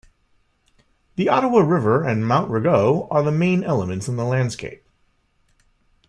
The Ottawa River and Mount Rigaud are the main elements in the landscape.